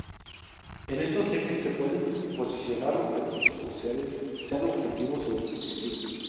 En estos ejes se pueden posicionar los recursos sociales sean objetivos o subjetivos.